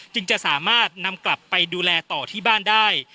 จึงจะสามารถนำกลับไปดูแลต่อที่บ้านได้